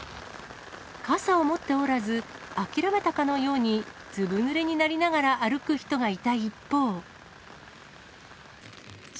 傘を持っておらず、諦めたかのようにずぶ濡れになりながら歩く人がいた一方。